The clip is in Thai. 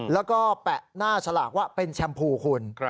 แล้วก็แปะหน้าฉลากว่าเป็นแชมพูคุณ